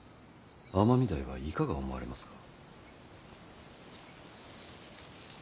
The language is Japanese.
尼御台はいかが思われますか。